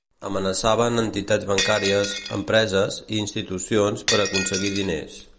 Amenaçaven entitats bancàries, empreses i institucions per aconseguir diners.